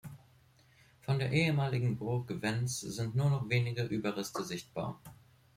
Von der ehemaligen Burg Vennes sind nur noch wenige Überreste sichtbar.